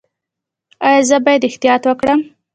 ایا زه باید احتیاط وکړم؟